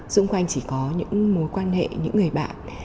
xung quanh chỉ có những mối quan hệ những người bạn